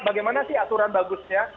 bagaimana sih aturan bagusnya